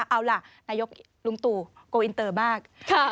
เอาล่ะนายกลุงตู่โกอินเตอร์มาก